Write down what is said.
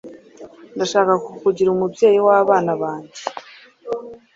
Ndashaka kukugira umubyeyi wabanabnjye…